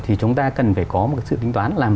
thì chúng ta cần phải có một sự tính toán